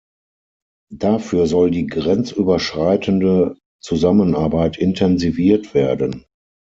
Dafür soll die grenzüberschreitende Zusammenarbeit intensiviert werden.